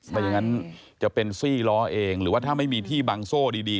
ไม่อย่างนั้นจะเป็นซี่ล้อเองหรือว่าถ้าไม่มีที่บังโซ่ดี